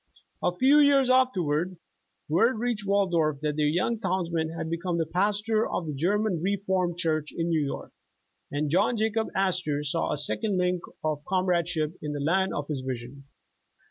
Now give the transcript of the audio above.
A few years afterward word reached Waldorf, that their yuung townsman had become the pastor of the German Reformed Church in New York, and John Jacob Astor saw a second link of con'^radeship in the land of his vision.